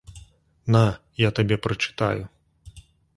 На, я табе прачытаю.